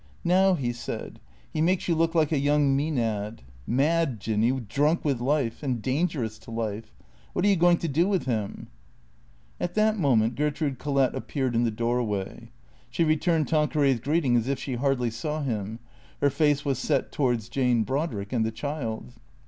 " Now," he said, " he makes you look like a young Maenad ; mad, Jinny, drunk with life, and dangerous to life. What are you going to do with him ?" At that moment Gertrude Collett appeared in the doorway. She returned Tanqueray's greeting as if she hardly saw him. Her face was set towards Jane Brodrick and the child.